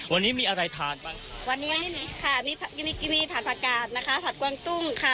วันนี้มีอะไรทานบ้างวันนี้ค่ะมีผักิวีผัดผักกาดนะคะผัดกวางตุ้งค่ะ